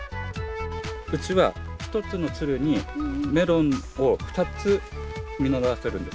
うちは１つのつるにメロンを２つ実らせるんですよ。